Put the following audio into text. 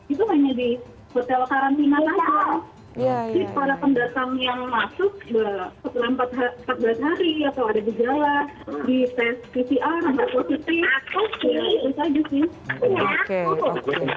itu lainnya di hotel karantina lah